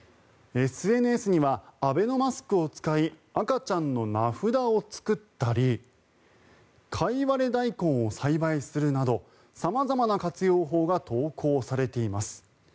ＳＮＳにはアベノマスクを使い赤ちゃんの名札を作ったりカイワレダイコンを栽培するなど様々な活用法が投稿されています。